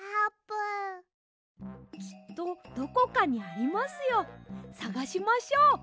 きっとどこかにありますよさがしましょう。